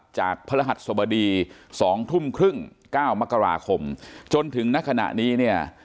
พระรหัสสบดี๒ทุ่มครึ่ง๙มกราคมจนถึงณขณะนี้เนี่ย